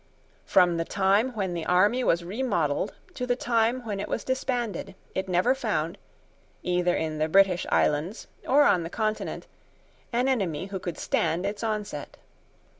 From the time when the army was remodelled to the time when it was disbanded, it never found, either in the British islands or on the Continent, an enemy who could stand its onset.